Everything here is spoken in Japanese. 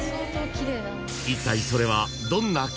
［いったいそれは］